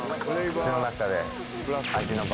口の中で。